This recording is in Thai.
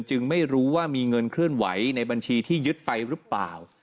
จึงไม่รู้ว่ามีเงินเคลื่อนไหวในบัญชีที่ยึดไปหรือเปล่า